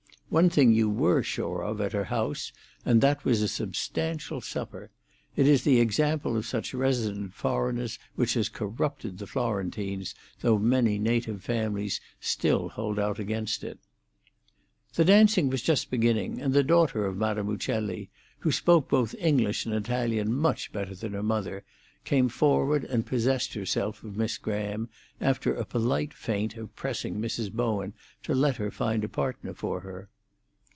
One thing you were sure of at her house, and that was a substantial supper; it is the example of such resident foreigners which has corrupted the Florentines, though many native families still hold out against it. The dancing was just beginning, and the daughter of Madame Uccelli, who spoke both English and Italian much better than her mother, came forward and possessed herself of Miss Graham, after a polite feint of pressing Mrs. Bowen to let her find a partner for her.